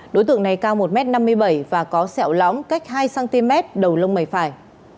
đối tượng này cao một m năm mươi bảy và có sẹo lóng cách hai cm đầu lông mày phải